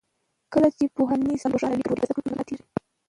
کله چې پوهنیز پلان روښانه وي، ګډوډي په زده کړو کې نه پاتې کېږي.